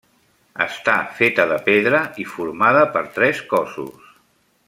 Està feta de pedra i formada per tres cossos.